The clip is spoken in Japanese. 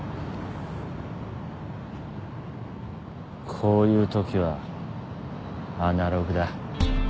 こういうときはアナログだ。